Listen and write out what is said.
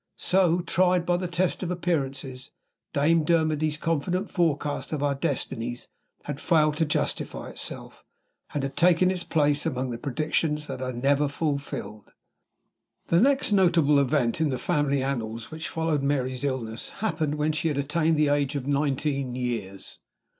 So, tried by the test of appearances, Dame Dermody's confident forecast of our destinies had failed to justify itself, and had taken its place among the predictions that are never fulfilled. The next notable event in the family annals which followed Mary's illness happened when she had attained the age of nineteen years.